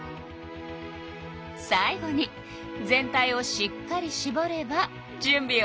最後に全体をしっかりしぼればじゅんびオーケー。